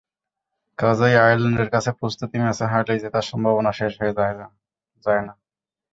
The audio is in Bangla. কাজেই আয়ারল্যান্ডের কাছে প্রস্তুতি ম্যাচে হারলেই জেতার সম্ভাবনা শেষ হয়ে যায় না।